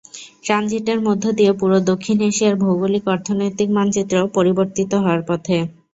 ট্রানজিটের মধ্য দিয়ে পুরো দক্ষিণ এশিয়ার ভৌগোলিক–অর্থনৈতিক মানচিত্র পরিবর্তিত হওয়ার পথে।